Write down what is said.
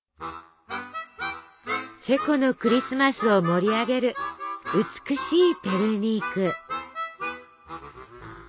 チェコのクリスマスを盛り上げる美しいペルニーク。